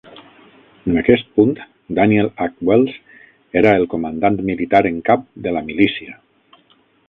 En aquest punt Daniel H. Wells era el comandant militar en cap de la milícia.